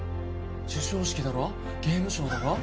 授賞式だろゲームショーだろ